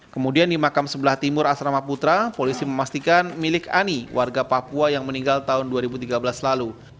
kemudian di makam sebelah timur asrama putra polisi memastikan milik ani warga papua yang meninggal tahun dua ribu tiga belas lalu